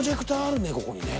ここにね。